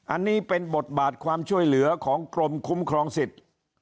อันนี้เป็นบทบาทความช่วยเหลือของกรมคุ้มครองสิทธิ์